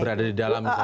berada di dalam